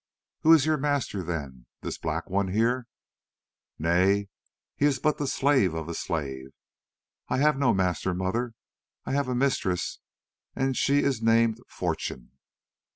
"Who is your master then—this Black One here?" "Nay, he is but the slave of a slave. I have no master, mother; I have a mistress, and she is named Fortune."